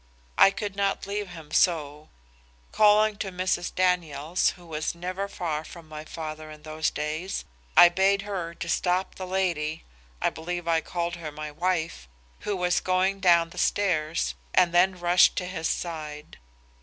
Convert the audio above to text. I could not leave him so. Calling to Mrs. Daniels, who was never far from my father in those days, I bade her stop the lady I believe I called her my wife who was going down the stairs, and then rushed to his side.